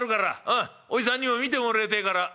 うんおじさんにも見てもらいてえから」。